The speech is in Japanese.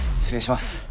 失礼します。